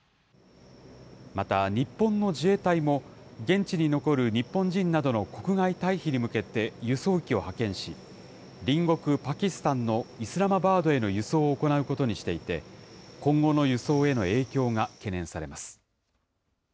また、日本の自衛隊も現地に残る日本人などの国外退避に向けて輸送機を派遣し、隣国パキスタンのイスラマバードへの輸送を行うことにしていて、今後の輸送への影響が懸念されます。